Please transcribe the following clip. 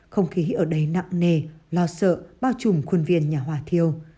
không khí ở đây nặng nề lo sợ bao trùm khuôn viên nhà hòa thiêu